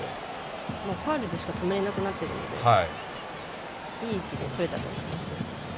ファウルでしか止めれなくなってるのでいい位置でとれたと思います。